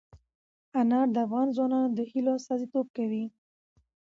انار د افغان ځوانانو د هیلو استازیتوب کوي.